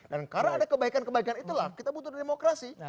dan karena ada kebaikan kebaikan itulah kita butuh demokrasi